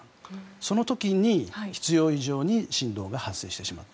その時に必要以上に振動が発生してしまった。